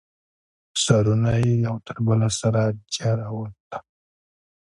سرونه یې یو تر بله سره جارواته.